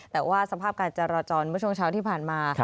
แต่ว่าสภาพการจราจรเมื่อช่วงเช้าที่ผ่านมา